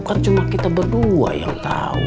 kan cuma kita berdua yang tahu